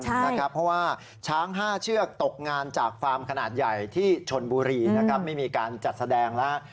เพราะว่าช้าง๕เชือกตกงานจากฟาร์มขนาดใหญ่ที่ชนบุรีนะครับไม่มีการจัดแสดงแล้ว